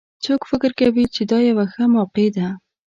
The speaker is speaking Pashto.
څوک فکر کوي چې دا یوه ښه موقع ده